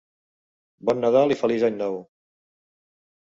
Bon Nadal i feliç Any Nou!